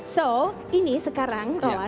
so ini sekarang rohan